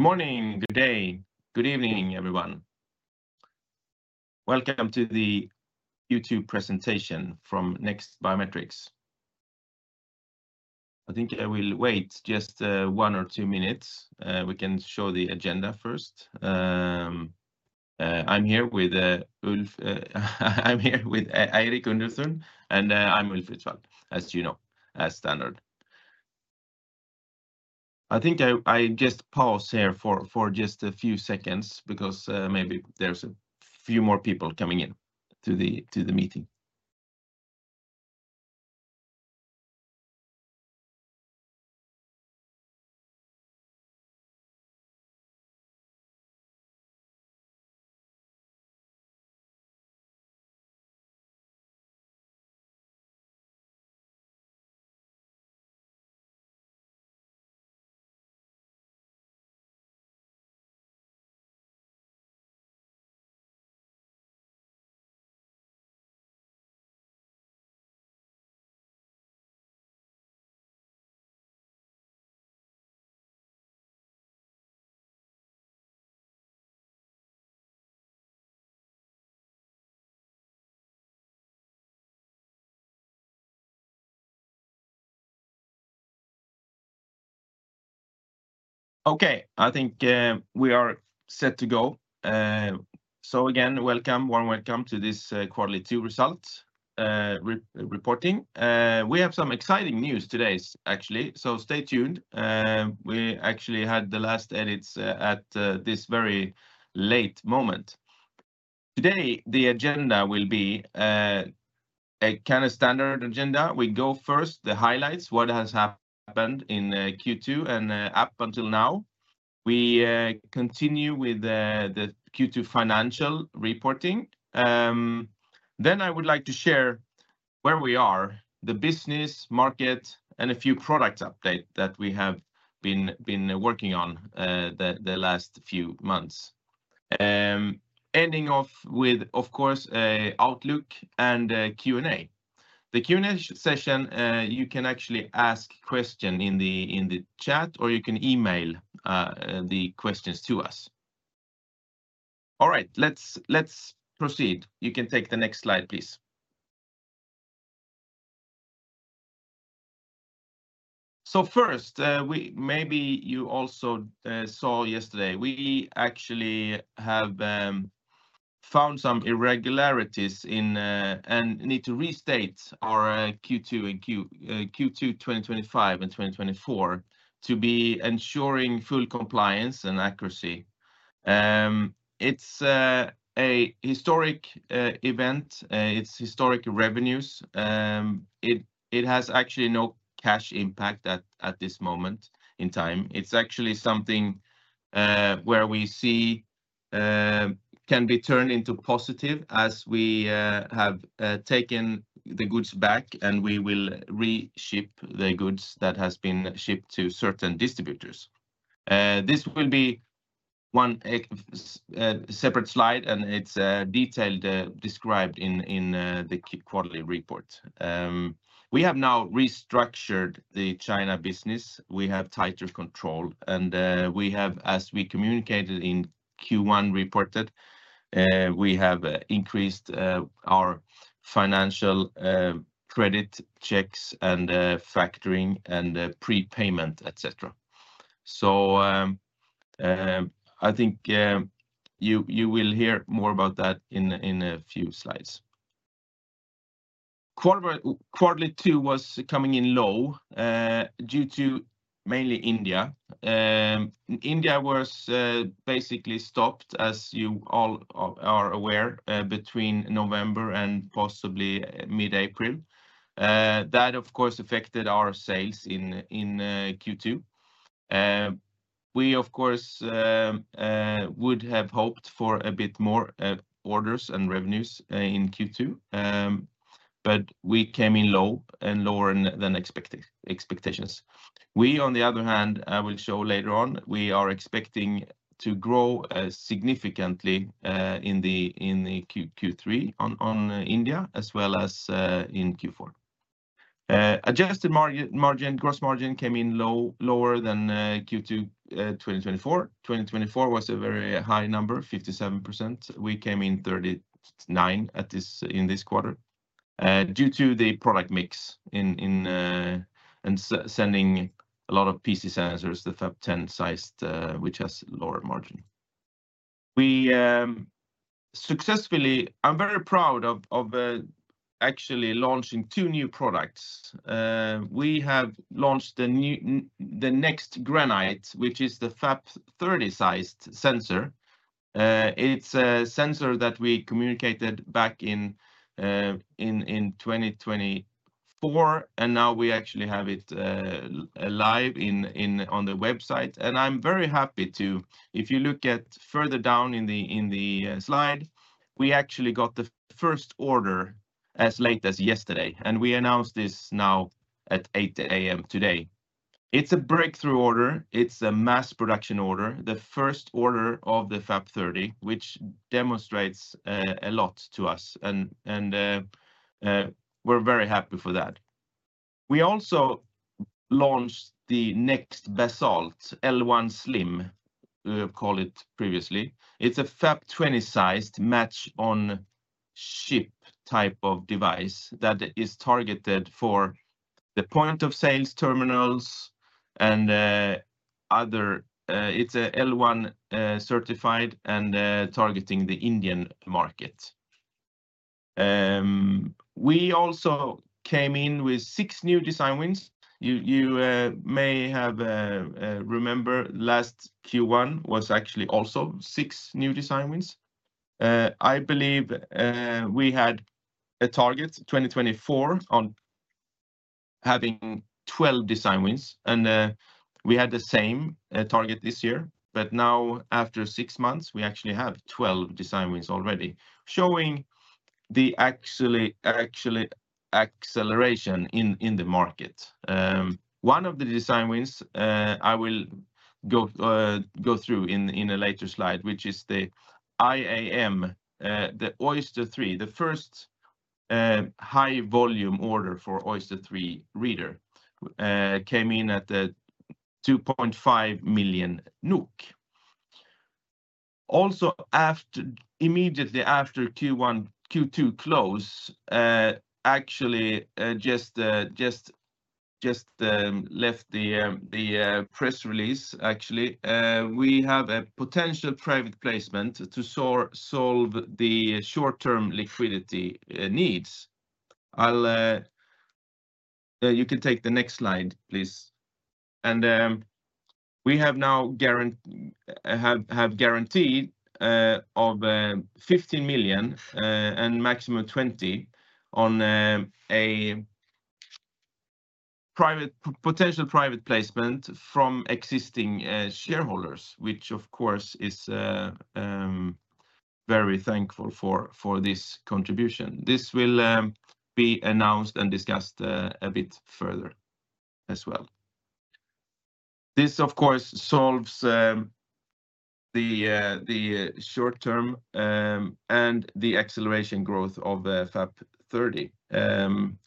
Good morning, good day, good evening, everyone. Welcome to the YouTube Presentation from NEXT Biometrics Group ASA. I think I will wait just one or two minutes. We can show the agenda first. I'm here with Eirik Underthun, and I'm Ulf Ritsvall, as you know, as standard. I think I just pause here for just a few seconds because maybe there's a few more people coming in to the meeting. I think we are set to go. Again, welcome, warm welcome to this quarterly Q2 results reporting. We have some exciting news today, actually, so stay tuned. We actually had the last edits at this very late moment. Today, the agenda will be a kind of standard agenda. We go first, the highlights, what has happened in Q2 and up until now. We continue with the Q2 financial reporting. Then I would like to share where we are, the business, market, and a few products updates that we have been working on the last few months, ending off with, of course, an Outlook and Q&A. The Q&A session, you can actually ask questions in the chat or you can email the questions to us. All right, let's proceed. You can take the next slide, please. First, maybe you also saw yesterday, we actually have found some irregularities and need to restate our Q2 and Q2 2025 and 2024 to be ensuring full compliance and accuracy. It's a historic event. It's historic revenues. It has actually no cash impact at this moment in time. It's actually something where we see can be turned into positive as we have taken the goods back and we will reship the goods that have been shipped to certain distributors. This will be one separate slide and it's detailed described in the quarterly report. We have now restructured the China business. We have tighter control and we have, as we communicated in Q1 reported, we have increased our financial credit checks and factoring and prepayment, etc. I think you will hear more about that in a few slides. Quarterly Q2 was coming in low due to mainly India. India was basically stopped, as you all are aware, between November and possibly mid-April. That, of course, affected our sales in Q2. We, of course, would have hoped for a bit more orders and revenues in Q2, but we came in lower than expectations. On the other hand, I will show later on, we are expecting to grow significantly in Q3 on India as well as in Q4. Adjusted margin, gross margin came in lower than Q2 2024. 2024 was a very high number, 57%. We came in 39% in this quarter due to the product mix and sending a lot of PC sensors, the FAP 10 sized, which has a lower margin. I'm very proud of actually launching two new products. We have launched the NEXT Granite, which is the FAP 30 sized sensor. It's a sensor that we communicated back in 2024, and now we actually have it live on the website. I'm very happy to, if you look further down in the slide, we actually got the first order as late as yesterday, and we announced this now at 8:00 A.M. today. It's a breakthrough order. It's a mass production order, the first order of the FAP 30, which demonstrates a lot to us, and we're very happy for that. We also launched the NEXT Basalt L1 Slim, we have called it previously. It's a FAP 20 sized match-on-chip type of device that is targeted for the point of sales terminals and other. It's an L1 certified and targeting the Indian market. We also came in with six new design wins. You may have remembered last Q1 was actually also six new design wins. I believe we had a target in 2024 on having 12 design wins, and we had the same target this year. Now, after six months, we actually have 12 design wins already, showing the actually acceleration in the market. One of the design wins I will go through in a later slide, which is the IAM, the Oyster 3, the first high volume order for Oyster 3 Reader, came in at 2.5 million NOK. Also, immediately after Q2 close, actually just left the press release, actually, we have a potential private placement to solve the short-term liquidity needs. You can take the next slide, please. We have now guaranteed of 15 million and maximum 20 million on a potential private placement from existing shareholders, which, of course, is very thankful for this contribution. This will be announced and discussed a bit further as well. This, of course, solves the short-term and the acceleration growth of the FAP 30.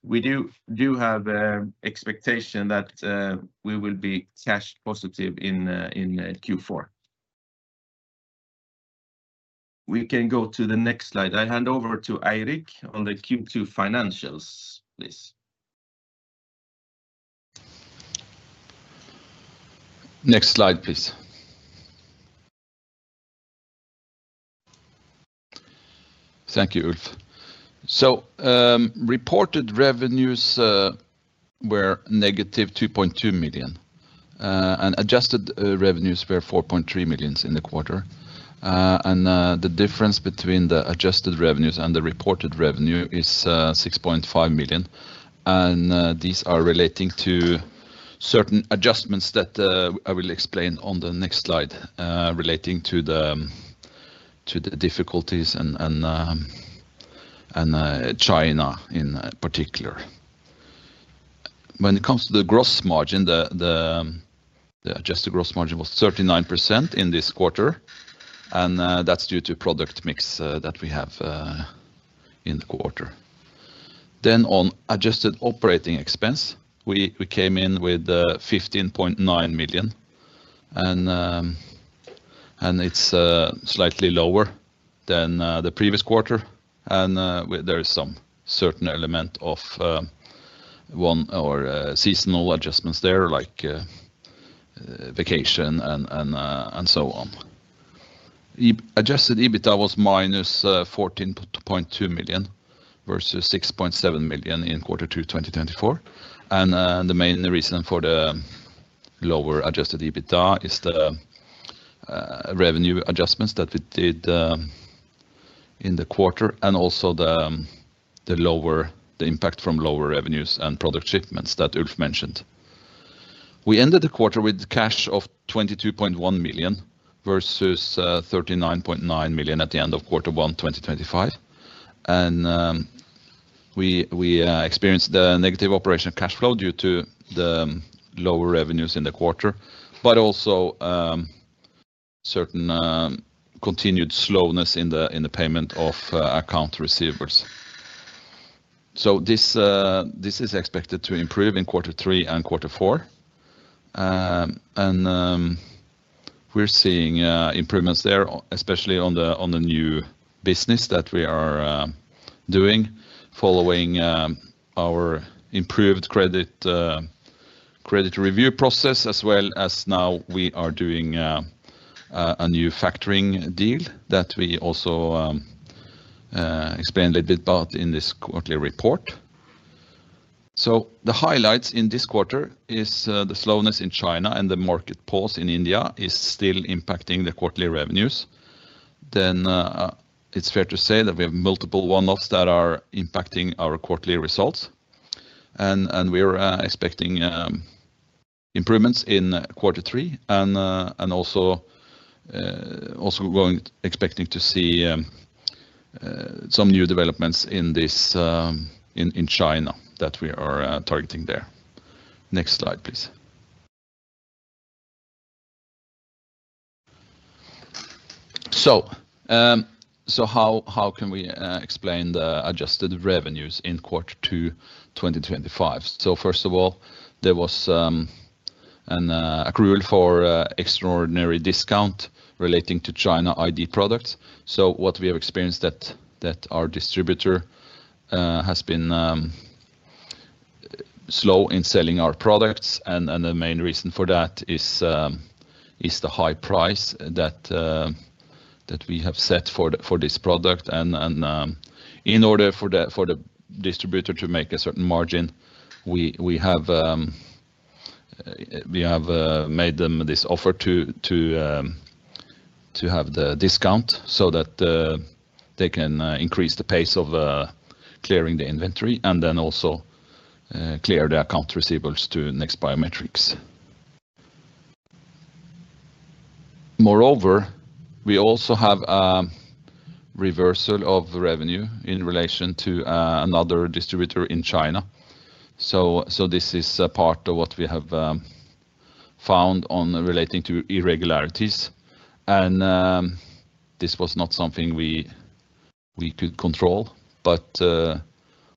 We do have an expectation that we will be cash positive in Q4. We can go to the next slide. I hand over to Eirik on the Q2 financials, please. Next slide, please. Thank you, Ulf. Reported revenues were -2.2 million, and adjusted revenues were 4.3 million in the quarter. The difference between the adjusted revenues and the reported revenue is 6.5 million. These are relating to certain adjustments that I will explain on the next slide, relating to the difficulties in China in particular. When it comes to the gross margin, the adjusted gross margin was 39% in this quarter, and that's due to product mix that we have in the quarter. On adjusted operating expense, we came in with 15.9 million, and it's slightly lower than the previous quarter. There is some certain element of seasonal adjustments there, like vacation and so on. The adjusted EBITDA was -14.2 million versus 6.7 million in quarter two 2024. The main reason for the lower adjusted EBITDA is the revenue adjustments that we did in the quarter and also the impact from lower revenues and product shipments that Ulf mentioned. We ended the quarter with cash of 22.1 million versus 39.9 million at the end of quarter one 2025. We experienced the negative operation cash flow due to the lower revenues in the quarter, but also certain continued slowness in the payment of account receivables. This is expected to improve in quarter three and quarter four. We're seeing improvements there, especially on the new business that we are doing following our improved credit review process, as well as now we are doing a new factoring deal that we also explained a bit about in this quarterly report. The highlights in this quarter are the slowness in China and the market pause in India is still impacting the quarterly revenues. It is fair to say that we have multiple one-offs that are impacting our quarterly results. We're expecting improvements in quarter three and also expecting to see some new developments in China that we are targeting there. Next slide, please. How can we explain the adjusted revenues in quarter two 2025? First of all, there was an accrual for extraordinary discount relating to China-ID products. What we have experienced is that our distributor has been slow in selling our products. The main reason for that is the high price that we have set for this product. In order for the distributor to make a certain margin, we have made them this offer to have the discount so that they can increase the pace of clearing the inventory and then also clear the account receivables to NEXT Biometrics. Moreover, we also have a reversal of revenue in relation to another distributor in China. This is part of what we have found relating to irregularities. This was not something we could control, but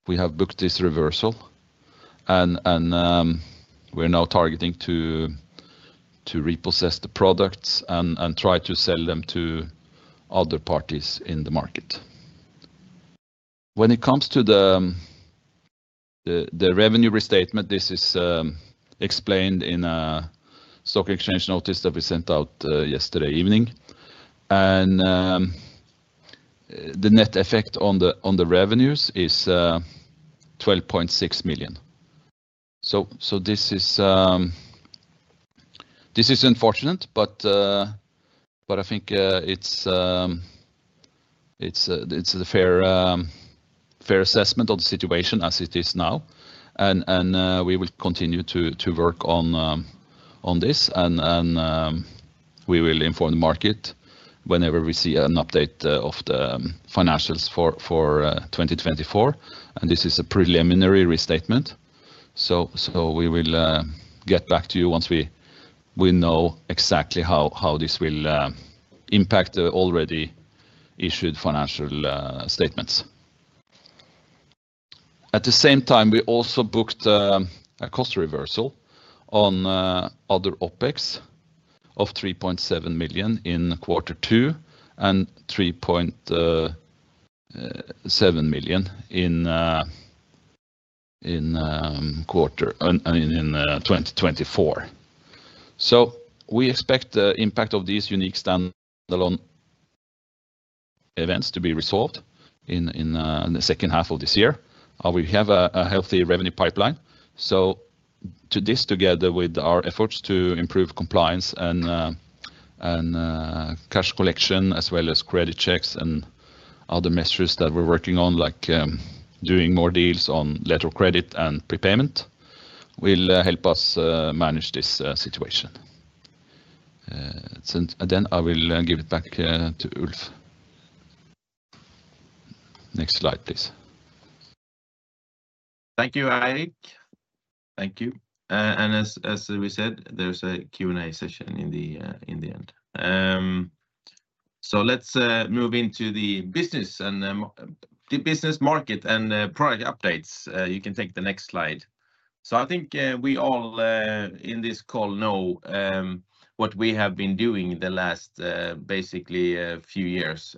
we have booked this reversal. We're now targeting to repossess the products and try to sell them to other parties in the market. When it comes to the revenue restatement, this is explained in a stock exchange notice that we sent out yesterday evening. The net effect on the revenues is 12.6 million. This is unfortunate, but I think it's a fair assessment of the situation as it is now. We will continue to work on this. We will inform the market whenever we see an update of the financials for 2024. This is a preliminary restatement. We will get back to you once we know exactly how this will impact the already issued financial statements. At the same time, we also booked a cost reversal on other OpEx of 3.7 million in quarter two and 3.7 million in quarter one 2024. We expect the impact of these unique standalone events to be resolved in the second half of this year. We have a healthy revenue pipeline. Together with our efforts to improve compliance and cash collection, as well as credit checks and other measures that we're working on, like doing more deals on letter of credit and prepayment, this will help us manage the situation. I will give it back to Ulf. Next slide, please. Thank you, Eirik. Thank you. As we said, there's a Q&A session in the end. Let's move into the business and the business market and product updates. You can take the next slide. I think we all in this call know what we have been doing the last, basically, few years.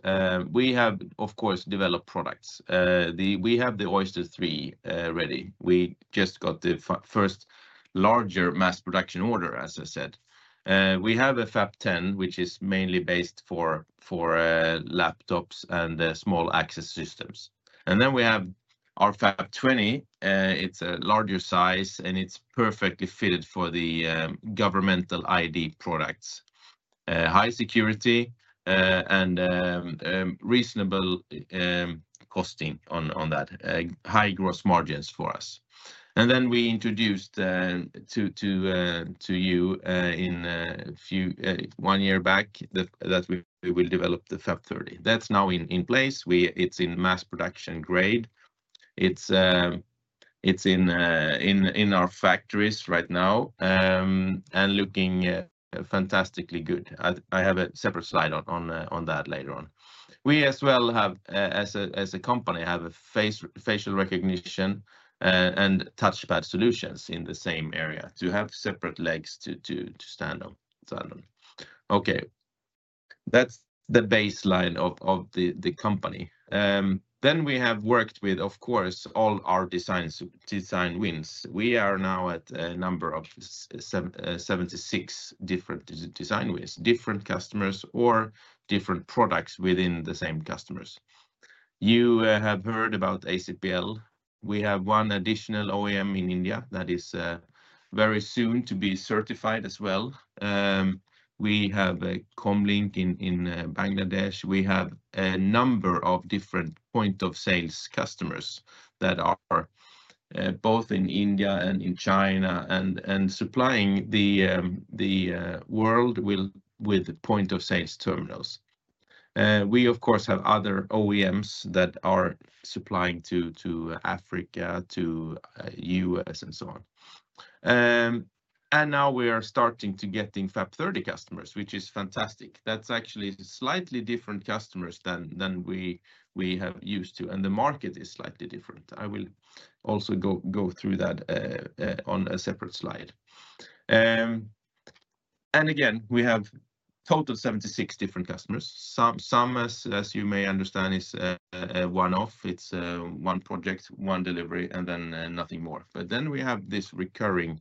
We have, of course, developed products. We have the Oyster 3 ready. We just got the first larger mass production order, as I said. We have a FAP 10 sensor, which is mainly based for laptops and small access systems. We have our FAP 20. It's a larger size, and it's perfectly fitted for the governmental ID products. High security and reasonable costing on that. High gross margins for us. We introduced to you a few, one year back, that we will develop the FAP 30 sensor. That's now in place. It's in mass production grade. It's in our factories right now and looking fantastically good. I have a separate slide on that later on. We as well have, as a company, have facial recognition and touchpad solutions in the same area to have separate legs to stand on. That's the baseline of the company. We have worked with, of course, all our design wins. We are now at a number of 76 different design wins, different customers, or different products within the same customers. You have heard about ACPL. We have one additional OEM in India that is very soon to be certified as well. We have Comlink in Bangladesh. We have a number of different point-of-sales customers that are both in India and in China and supplying the world with point-of-sales terminals. We, of course, have other OEMs that are supplying to Africa, to the U.S., and so on. Now we are starting to get in FAP 30 customers, which is fantastic. That's actually slightly different customers than we have used to, and the market is slightly different. I will also go through that on a separate slide. We have a total of 76 different customers. Some, as you may understand, is one-off. It's one project, one delivery, and then nothing more. We have this recurring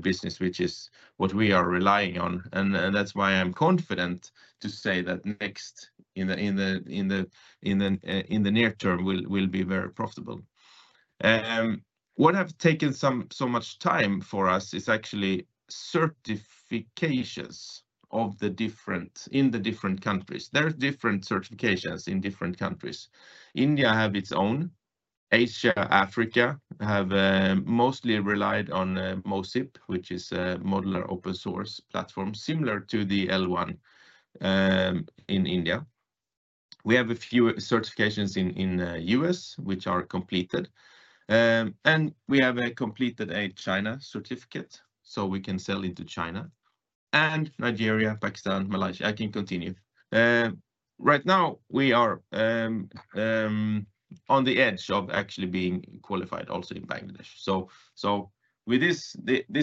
business, which is what we are relying on. That's why I'm confident to say that NEXT, in the near term, will be very profitable. What has taken so much time for us is actually certifications in the different countries. There are different certifications in different countries. India has its own. Asia, Africa have mostly relied on MOSIP, which is a modular open-source platform similar to the L1 in India. We have a few certifications in the U.S., which are completed. We have completed a China certificate, so we can sell into China, and Nigeria, Pakistan, Malaysia. I can continue. Right now, we are on the edge of actually being qualified also in Bangladesh. This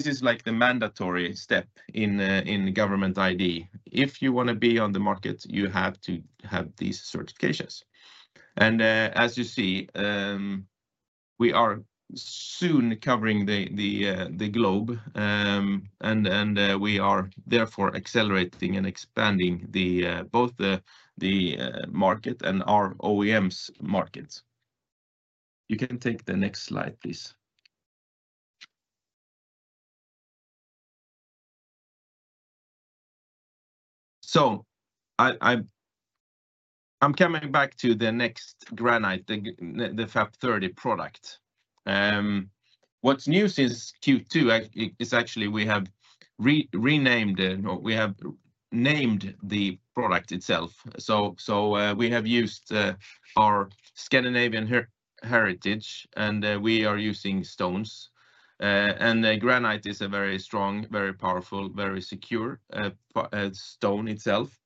is the mandatory step in government ID. If you want to be on the market, you have to have these certifications. As you see, we are soon covering the globe, and we are therefore accelerating and expanding both the market and our OEMs' markets. You can take the next slide, please. I'm coming back to the NEXT Granite, the FAP 30 product. What's new since Q2 is actually we have renamed the product itself. We have used our Scandinavian heritage, and we are using stones. Granite is a very strong, very powerful, very secure stone itself.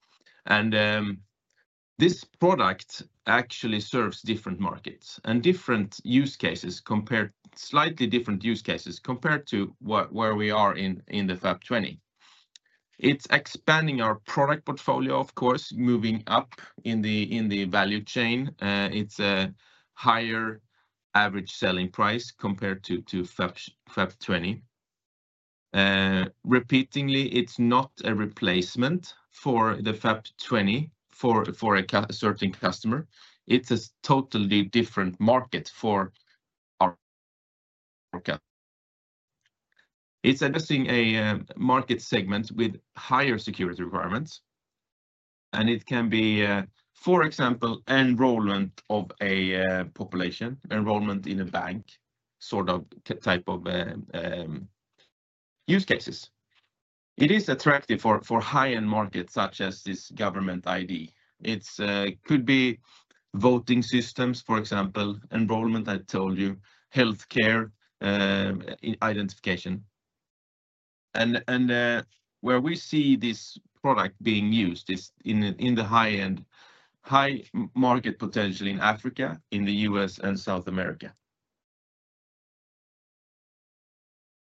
This product actually serves different markets and different use cases, slightly different use cases compared to where we are in the FAP 20. It's expanding our product portfolio, of course, moving up in the value chain. It's a higher average selling price compared to FAP 20. Repeatingly, it's not a replacement for the FAP 20 for a certain customer. It's a totally different market for our customer. It's addressing a market segment with higher security requirements. It can be, for example, enrollment of a population, enrollment in a bank, sort of type of use cases. It is attractive for high-end markets such as this government ID. It could be voting systems, for example, enrollment, I told you, healthcare identification. Where we see this product being used is in the high-end, high market potential in Africa, in the U.S., and South America.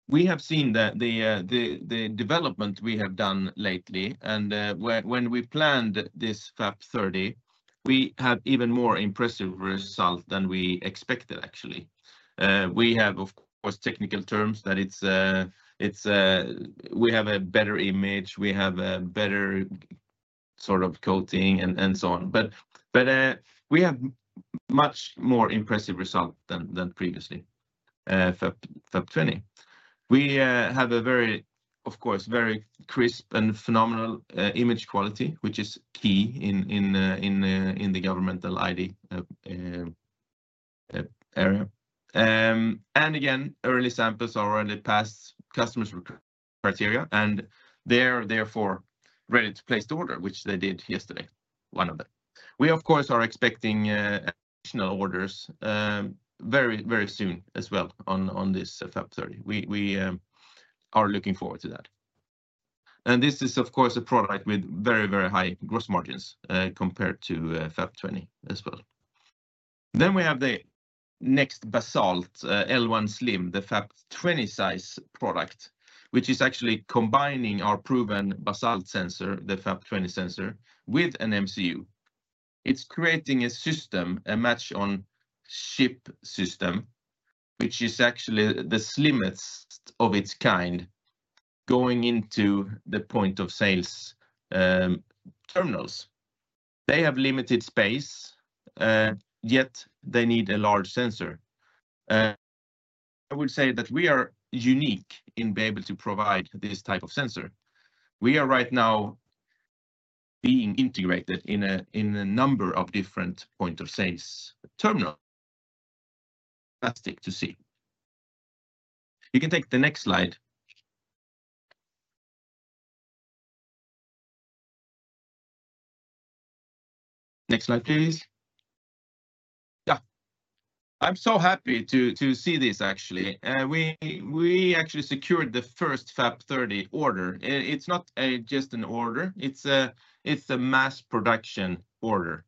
We have seen that the development we have done lately, and when we planned this FAP 30, we have even more impressive results than we expected, actually. We have, of course, technical terms that it's we have a better image, we have a better sort of coating, and so on. We have a much more impressive result than previously, FAP 20. We have a very, of course, very crisp and phenomenal image quality, which is key in the governmental ID area. Again, early samples are already passed customer criteria, and they are therefore ready to place the order, which they did yesterday, one of them. We are expecting additional orders very, very soon as well on this FAP 30. We are looking forward to that. This is, of course, a product with very, very high gross margins compared to FAP 20 as well. We have the NEXT Basalt L1 Slim, the FAP 20 size product, which is actually combining our proven Basalt sensor, the FAP 20 sensor, with an MCU. It's creating a system, a match-on-chip system, which is actually the slimmest of its kind going into the point-of-sales terminals. They have limited space, yet they need a large sensor. I will say that we are unique in being able to provide this type of sensor. We are right now being integrated in a number of different point-of-sales terminals. Fantastic to see. You can take the next slide. Next slide, please. I'm so happy to see this, actually. We actually secured the first FAP 30 order. It's not just an order. It's a mass production order.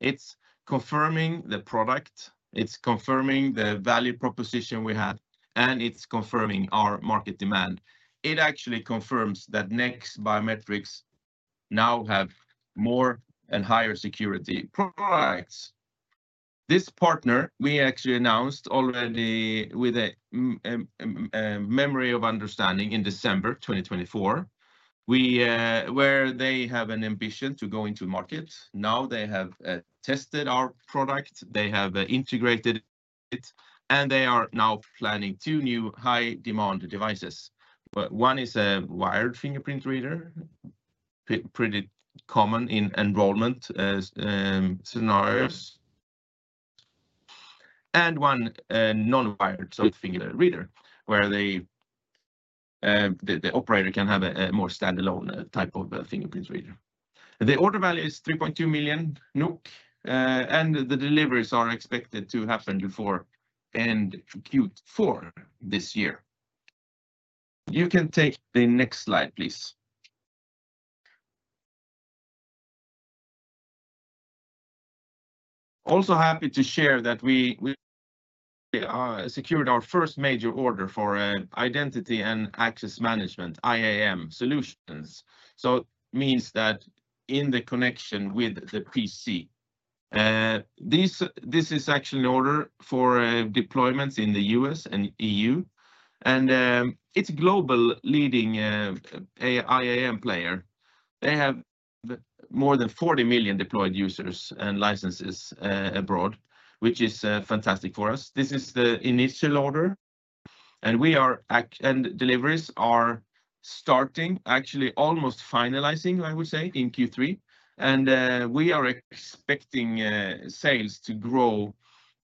It's confirming the product. It's confirming the value proposition we had, and it's confirming our market demand. It actually confirms that NEXT Biometrics now has more and higher security products. This partner, we actually announced already with a memorandum of understanding in December 2024, where they have an ambition to go into markets. Now they have tested our product. They have integrated it, and they are now planning two new high-demand devices. One is a wired fingerprint reader, pretty common in enrollment scenarios, and one non-wired, so finger reader, where the operator can have a more standalone type of fingerprint reader. The order value is 3.2 million NOK, and the deliveries are expected to happen before end of Q4 this year. You can take the next slide, please. Also happy to share that we secured our first major order for identity and access management, IAM solutions. It means that in the connection with the PC. This is actually an order for deployments in the U.S. and EU, and it's a global leading IAM player. They have more than 40 million deployed users and licenses abroad, which is fantastic for us. This is the initial order, and deliveries are starting, actually almost finalizing, I would say, in Q3. We are expecting sales to grow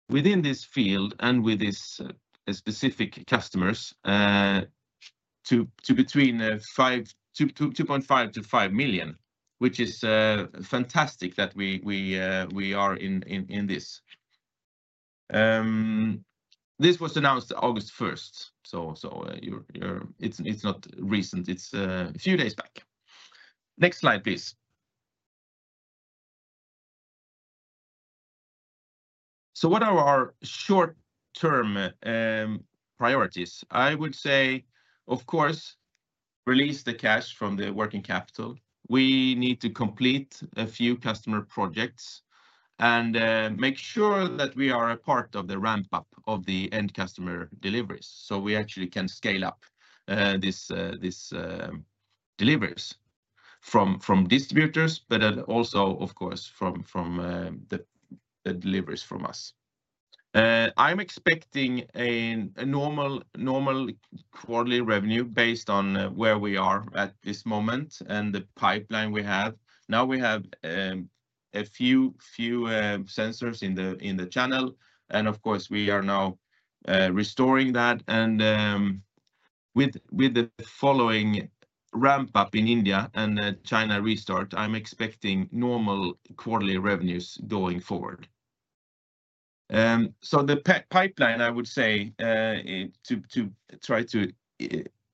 within this field and with these specific customers to between $2.5 million-$5 million, which is fantastic that we are in this. This was announced August 1, so it's not recent. It's a few days back. Next slide, please. What are our short-term priorities? I would say, of course, release the cash from the working capital. We need to complete a few customer projects and make sure that we are a part of the ramp-up of the end customer deliveries, so we actually can scale up these deliveries from distributors, but also, of course, from the deliveries from us. I'm expecting a normal quarterly revenue based on where we are at this moment and the pipeline we have. Now we have a few sensors in the channel, and we are now restoring that. With the following ramp-up in India and China restart, I'm expecting normal quarterly revenues going forward. The pipeline, I would say, to try to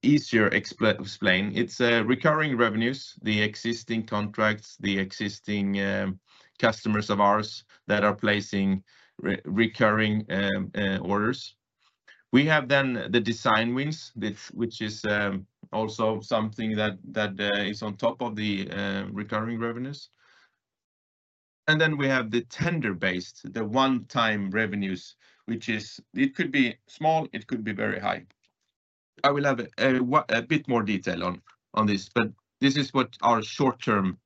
easier explain, it's recurring revenues, the existing contracts, the existing customers of ours that are placing recurring orders. We have then the design wins, which is also something that is on top of the recurring revenues. Then we have the tender-based, the one-time revenues, which could be small, it could be very high. I will have a bit more detail on this, but this is what our short-term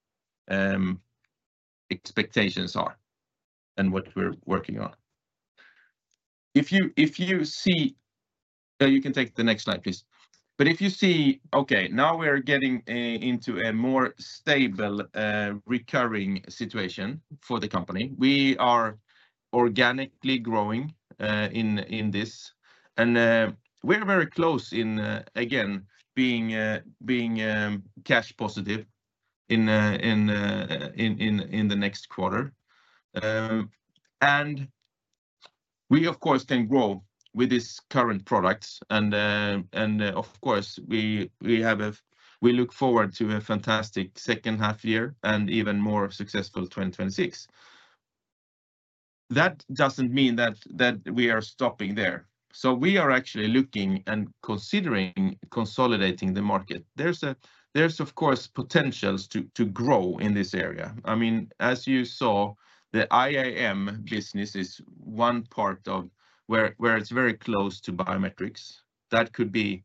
expectations are and what we're working on. You can take the next slide, please. If you see, now we're getting into a more stable recurring situation for the company. We are organically growing in this, and we're very close in, again, being cash positive in the next quarter. We, of course, can grow with these current products. We look forward to a fantastic second half year and even more successful 2026. That doesn't mean that we are stopping there. We are actually looking and considering consolidating the market. There are, of course, potentials to grow in this area. As you saw, the IAM business is one part of where it's very close to biometrics. That could be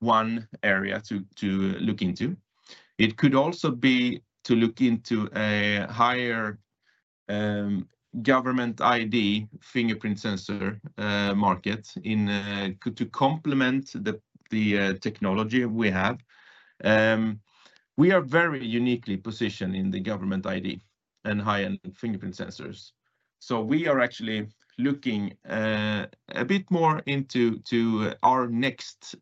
one area to look into. It could also be to look into a higher government ID fingerprint sensor market to complement the technology we have. We are very uniquely positioned in the government ID and high-end fingerprint sensors. We are actually looking a bit more into our next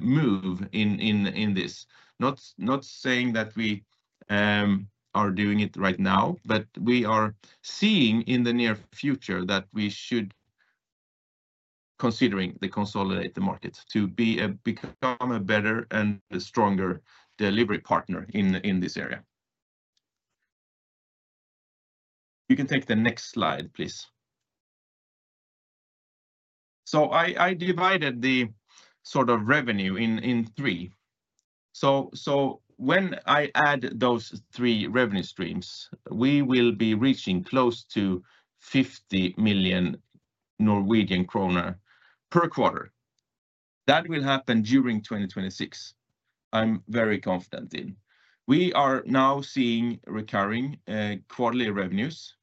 move in this. Not saying that we are doing it right now, but we are seeing in the near future that we should consider consolidating the market to become a better and stronger delivery partner in this area. You can take the next slide, please. I divided the sort of revenue in three. When I add those three revenue streams, we will be reaching close to 50 million Norwegian kroner per quarter. That will happen during 2026, I'm very confident in. We are now seeing recurring quarterly revenues.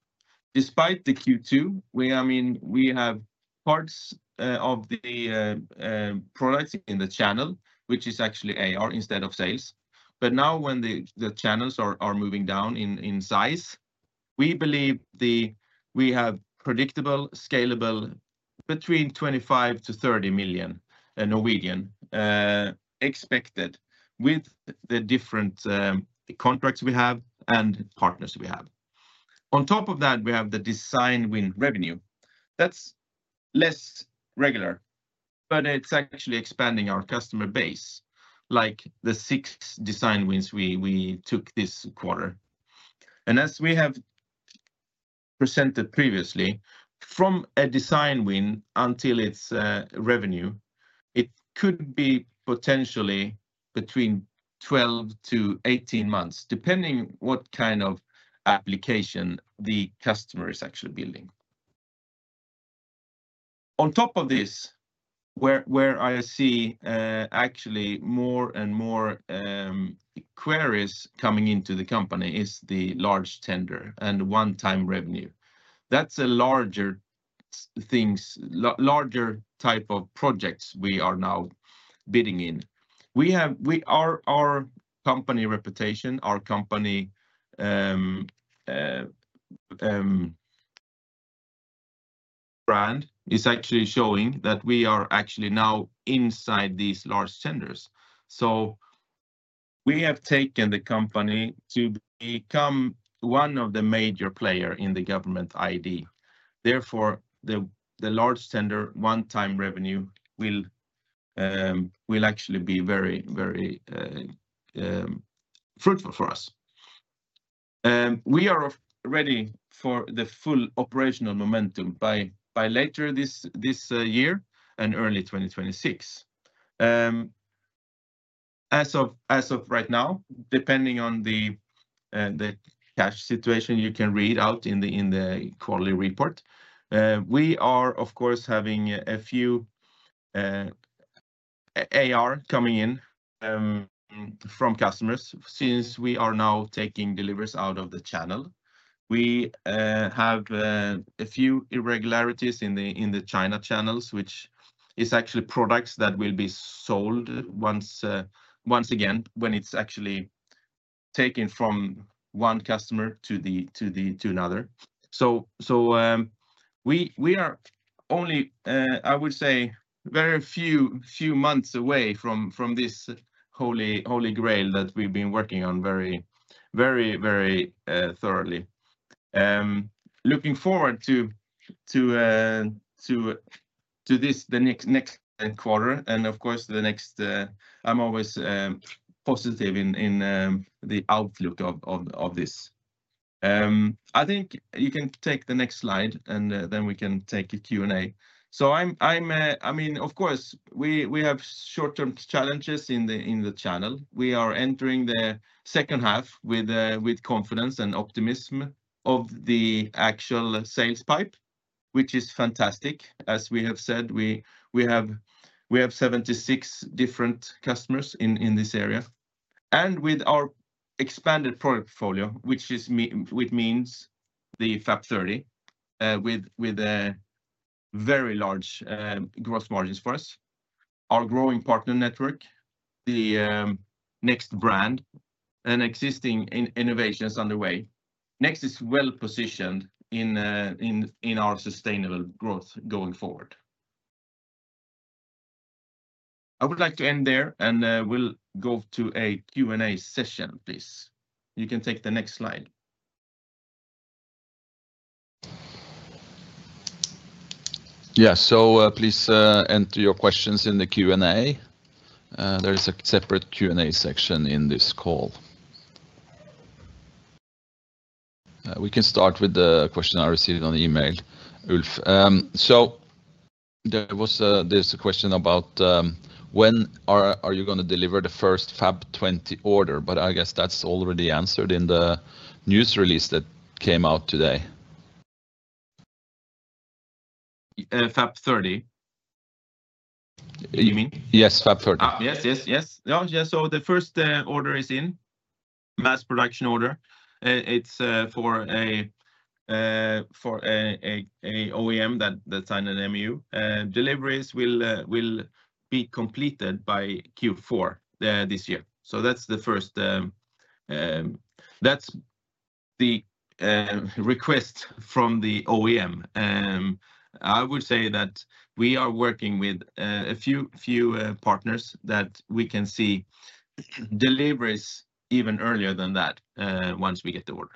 Despite the Q2, we have parts of the products in the channel, which is actually ARR instead of sales. Now, when the channels are moving down in size, we believe we have predictable, scalable between 25 million-30 million expected with the different contracts we have and partners we have. On top of that, we have the design win revenue. That's less regular, but it's actually expanding our customer base, like the six design wins we took this quarter. As we have presented previously, from a design win until its revenue, it could be potentially between 12-18 months, depending on what kind of application the customer is actually building. On top of this, where I see actually more and more queries coming into the company is the large tender and one-time revenue. That's a larger type of projects we are now bidding in. We have our company reputation, our company brand is actually showing that we are actually now inside these large tenders. We have taken the company to become one of the major players in the government ID. Therefore, the large tender one-time revenue will actually be very, very fruitful for us. We are ready for the full operational momentum by later this year and early 2026. As of right now, depending on the cash situation, you can read out in the quarterly report. We are, of course, having a few AR coming in from customers since we are now taking deliveries out of the channel. We have a few irregularities in the China channels, which are actually products that will be sold once again when it's actually taken from one customer to another. We are only, I would say, very few months away from this holy grail that we've been working on very, very, very thoroughly. Looking forward to this next quarter and, of course, the next. I'm always positive in the outlook of this. I think you can take the next slide, and then we can take a Q&A. Of course, we have short-term challenges in the channel. We are entering the second half with confidence and optimism of the actual sales pipe, which is fantastic. As we have said, we have 76 different customers in this area. With our expanded product portfolio, which means the FAP 30, with very large gross margins for us, our growing partner network, the NEXT brand, and existing innovations underway, NEXT is well positioned in our sustainable growth going forward. I would like to end there, and we'll go to a Q&A session, please. You can take the next slide. Yeah, please enter your questions in the Q&A. There is a separate Q&A section in this call. We can start with the question I received on email, Ulf. There was this question about when are you going to deliver the first FAP 20 order, but I guess that's already answered in the news release that came out today. FAP 30, you mean? Yes, FAP 30. Yes, yes, yes. Yeah, yeah. The first order is in, mass production order. It's for an OEM that signed an MU. Deliveries will be completed by Q4 this year. That's the first request from the OEM. I will say that we are working with a few partners that we can see deliveries even earlier than that once we get the order.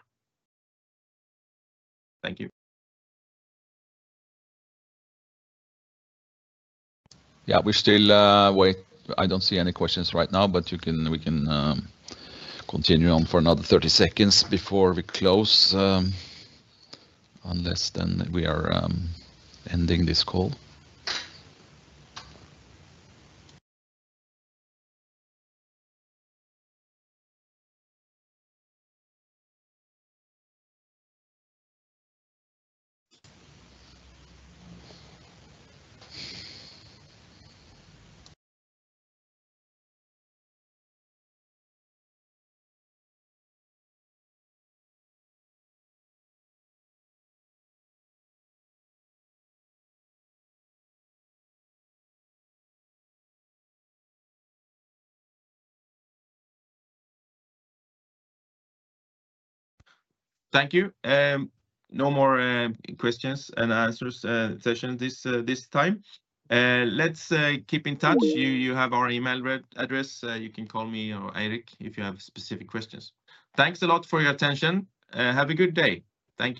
Thank you. Yeah, we're still waiting. I don't see any questions right now, but we can continue on for another 30 seconds before we close, unless we are ending this call. Thank you. No more questions and answers session this time. Let's keep in touch. You have our email address. You can call me or Eirik if you have specific questions. Thanks a lot for your attention. Have a good day. Thank you.